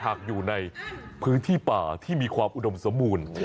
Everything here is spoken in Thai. อยู่ในพื้นที่ป่าที่มีความอุดมสมบูรณ์